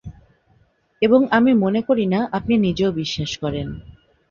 এবং আমি মনে করি না আপনি নিজেও বিশ্বাস করেন।